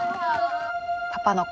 パパの声